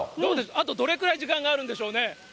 あとどれくらい時間があるんでしょうね。